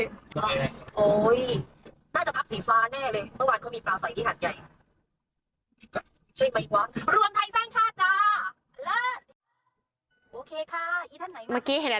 ล้นล้นล้นจะมีรถเตาอะไรเยอะขนาดนี้อะ